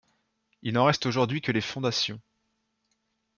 Il n'en reste aujourd'hui que les fondations.